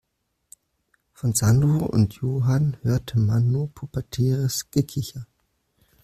Von Sandro und Johann hörte man nur pubertäres Gekicher.